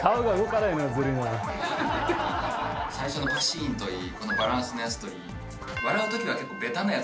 最初のパシン！といいこのバランスのやつといい。